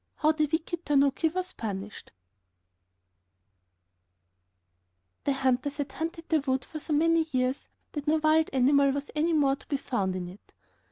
] How The Wicked Tanuki Was Punished The hunters had hunted the wood for so many years that no wild animal was any more to be found in it.